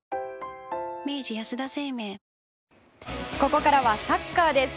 ここからはサッカーです。